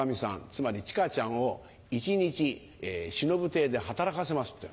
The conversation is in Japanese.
つまり千華ちゃんを一日しのぶ亭で働かせますって。